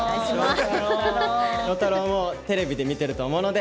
笑太郎もテレビで見てると思うので。